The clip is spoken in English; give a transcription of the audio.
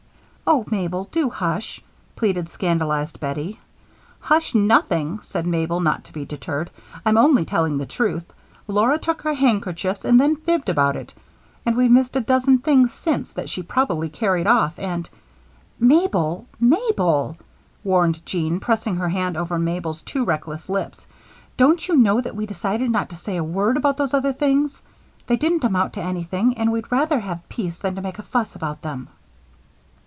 "Oh, Mabel, do hush," pleaded scandalized Bettie. "Hush nothing," said Mabel, not to be deterred. "I'm only telling the truth. Laura took our handkerchiefs and then fibbed about it, and we've missed a dozen things since that she probably carried off and " "Mabel, Mabel!" warned Jean, pressing her hand over Mabel's too reckless lips. "Don't you know that we decided not to say a word about those other things? They didn't amount to anything, and we'd rather have peace than to make a fuss about them."